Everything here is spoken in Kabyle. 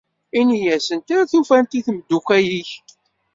Ini-asent ar tufat i tmeddukal-ik.